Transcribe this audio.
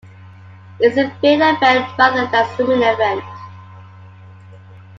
It is a field event rather than a swimming event.